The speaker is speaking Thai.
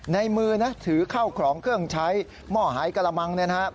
ในมือนะถือเข้าของเครื่องใช้หม้อหายกระมังเนี่ยนะครับ